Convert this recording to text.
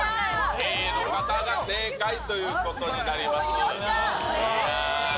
Ａの方が正解ということになります。